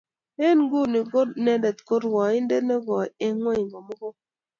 Eng' nguni ko inendet ko rwoindet ne goi Eng' ng'ony ko mugul